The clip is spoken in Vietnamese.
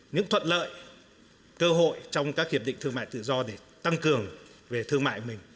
những thuận lợi cơ hội trong các hiệp định thương mại tự do để tăng cường về thương mại của mình